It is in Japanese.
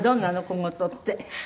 小言って。